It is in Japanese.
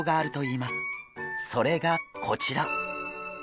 それがこちら。